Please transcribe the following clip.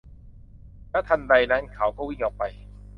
แล้วทันใดนั้นเขาก็วิ่งออกไป